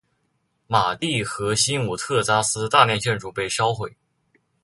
马蒂和新武特扎斯大量建筑被烧毁。